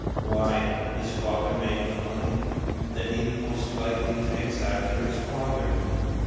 "Why, his father made the money." "Then he most likely takes after his father.